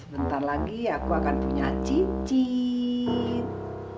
sebentar lagi aku akan punya cincit